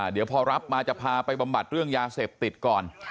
เดี๋ยวพอรับมาจะพาไปบำบัดเรื่องยาเสพติดก่อน